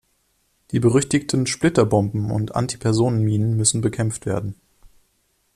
Die berüchtigten Splitterbomben und Antipersonenminen müssen bekämpft werden.